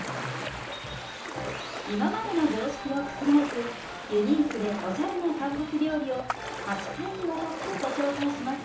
今までの常識を覆すユニークでおしゃれな乾物料理を８回にわたってご紹介します。